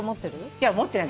いや思ってない。